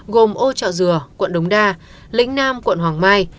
gồm âu trọ dừa quận đống đa lĩnh nam quận hoàng mai